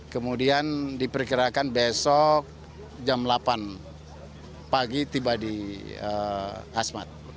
kemudian diperkirakan besok jam delapan pagi tiba tiba